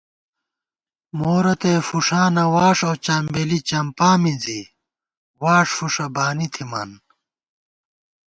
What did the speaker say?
مورتئ فُݭانہ واݭ اؤ چمبیلی چمپا مِنزی، واݭ فُݭہ بانی تھِمان